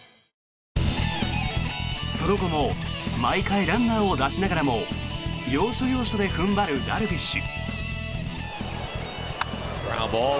その後も毎回、ランナーを出しながらも要所要所で踏ん張るダルビッシュ。